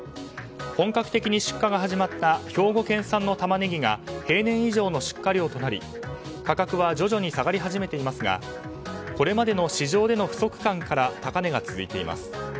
本格的に出荷が始まった兵庫県産のタマネギの価格は平年以上の出荷量となり、価格は徐々に下がり始めていますがこれまでの市場での不足感から高値が続いています。